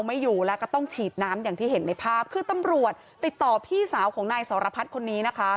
ไม่อยู่แล้วก็ต้องฉีดน้ำอย่างที่เห็นในภาพคือตำรวจติดต่อพี่สาวของนายสรพัฒน์คนนี้นะคะ